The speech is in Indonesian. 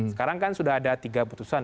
sekarang kan sudah ada tiga putusan